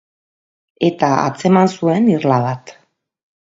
Eta atzeman zuen irla bat.